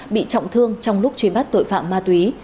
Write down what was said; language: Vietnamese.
bị trọng thương trong lúc truy bắt tội phạm ma túy